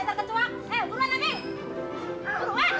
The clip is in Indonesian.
merupakan anjing lu